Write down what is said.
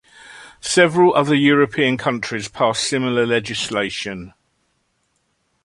Several other European countries passed similar legislation.